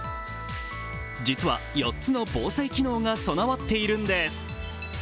実は４つの防災機能が備わっているんです。